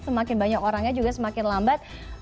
semakin banyak orangnya juga semakin lambat